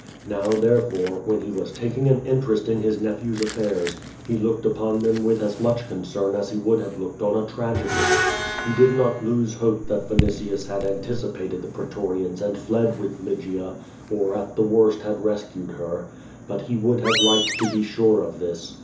Now, therefore, when he was taking an interest in his nephew's affairs, he looked upon them with as much concern as he would have looked on a tragedy. He did not lose hope that Vinitius had anticipated the pretorians and fled with Lygia, or at the worst had rescued her. But he would have liked to be sure of this.